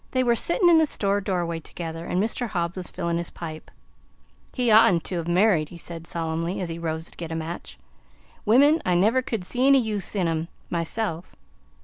They were sitting in the store door way together, and Mr. Hobbs was filling his pipe. "He oughtn't to 've married," he said solemnly, as he rose to get a match. "Women I never could see any use in 'em myself."